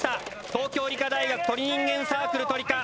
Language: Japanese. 東京理科大学鳥人間サークル鳥科